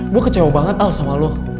gue kecewa banget al sama lo